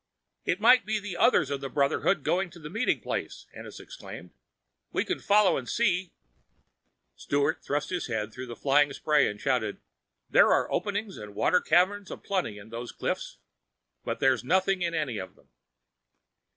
"It might be others of the Brotherhood going to the meeting place!" Ennis exclaimed. "We can follow and see." Sturt thrust his head through the flying spray and shouted, "There are openings and water caverns in plenty along these cliffs, but there's nothing in any of them."